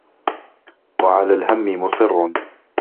وَعَلَى الْهَمِّ مُصِرٌّ